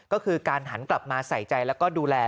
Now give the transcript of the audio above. ก็คือการหันกลับมาใส่ใจแล้วก็ดูแล